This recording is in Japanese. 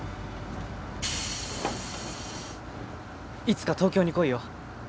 いつか東京に来いよ。